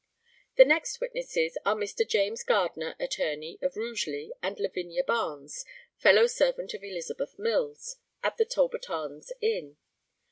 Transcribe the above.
The next witnesses are Mr. James Gardner, attorney, of Rugeley, and Lavinia Barnes, fellow servant of Elizabeth Mills, at the Talbot Arms Inn.